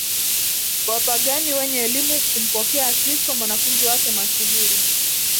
Wapagani wenye elimu kumpokea Kristo Mwanafunzi wake mashuhuri